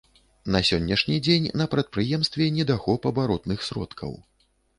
На сённяшні дзень на прадпрыемстве недахоп абаротных сродкаў.